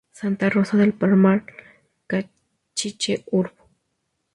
Santa Rosa del Palmar, Cachiche, Urb.